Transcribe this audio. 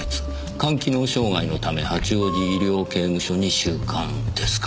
肝機能障害のため八王子医療刑務所に収監ですか。